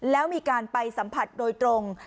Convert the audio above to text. แล้วมีการไปสัมผัสโดยตรง